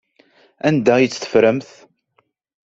Anda ay tt-teffremt?